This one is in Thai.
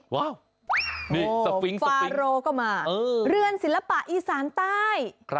สปิงสปิงฟาโรก็มาเรือนศิลปะอีสานใต้